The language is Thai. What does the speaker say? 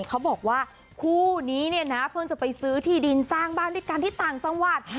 เขาบอกว่าคู่นี้เนี่ยนะเพิ่งจะไปซื้อที่ดินสร้างบ้านด้วยกันที่ต่างจังหวัด